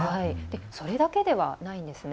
それだけではないんですね。